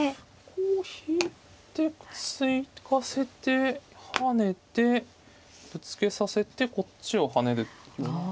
こう引いて突かせて跳ねてぶつけさせてこっちを跳ねる。